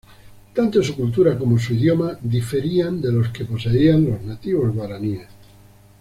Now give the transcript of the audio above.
Tanto su cultura como su idioma diferían de los que poseían los nativos guaraníes.